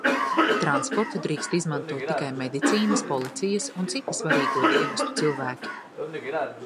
Transportu drīkst izmantot tikai medicīnas, policijas un citi svarīgo dienestu cilvēki.